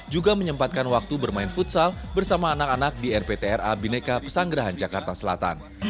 juga menyempatkan waktu bermain futsal bersama anak anak di rptra bineka pesanggerahan jakarta selatan